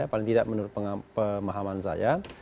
paling tidak menurut pemahaman saya